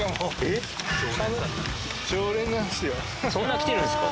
そんな来てるんですか？